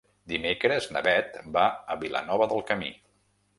Dimecres na Bet va a Vilanova del Camí.